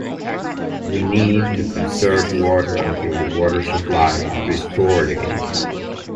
We need to conserve water until the water supply is restored again.